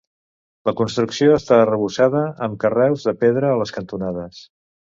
La construcció està arrebossada, amb carreus de pedra a les cantonades.